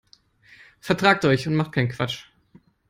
Vertragt euch und macht keinen Quatsch.